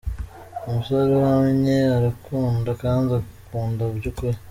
Umusore uhamye arakunda kandi agakunda by’ukuri.